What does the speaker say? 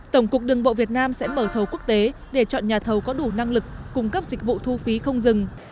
tổng cục đường bộ việt nam sẽ mở thầu quốc tế để chọn nhà thầu có đủ năng lực cung cấp dịch vụ thu phí không dừng